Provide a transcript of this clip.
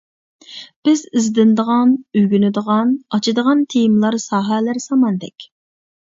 بىز ئىزدىنىدىغان، ئۆگىنىدىغان، ئاچىدىغان تېمىلار، ساھەلەر ساماندەك.